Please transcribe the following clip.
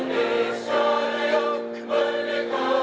bersih merakyat kerja